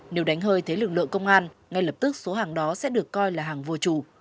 nếu đánh hơi thế lực lượng công an ngay lập tức số hàng đó sẽ được coi là hàng vô trụ